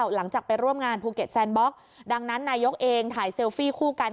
หลังจากไปร่วมงานภูเก็ตแซนบล็อกดังนั้นนายกเองถ่ายเซลฟี่คู่กัน